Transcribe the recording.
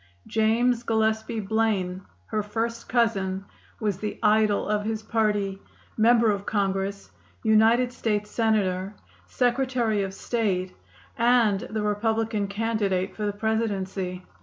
James Gillespie Blaine, her first cousin, was the idol of his party, member of Congress, United State Senator, Secretary of State, and the Republican candidate for the Presidency.